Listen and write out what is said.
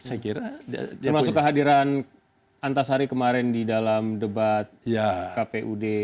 termasuk kehadiran antasari kemarin di dalam debat kpud